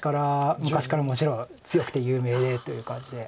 昔からもちろん強くて有名という感じで。